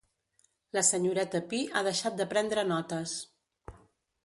La senyoreta Pi ha deixat de prendre notes.